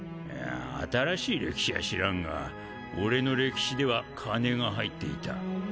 新しい歴史は知らんが俺の歴史では金が入っていた。